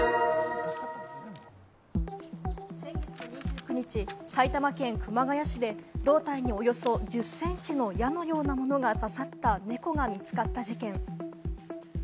先月２９日、埼玉県熊谷市で胴体におよそ１０センチの矢のようなものが刺さった猫が見つかった事件。